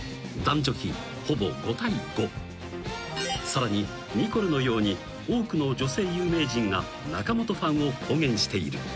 ［さらにニコルのように多くの女性有名人が中本ファンを公言している］